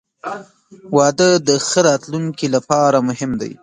• واده د ښه راتلونکي لپاره مهم دی.